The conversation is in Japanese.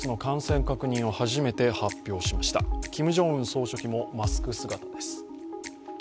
総書記もマスク姿です。